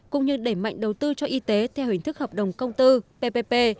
cũng như đẩy mạnh đầu tư cho y tế theo hình thức hợp đồng công tư ppp